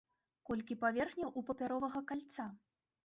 Колькі паверхняў у папяровага кальца?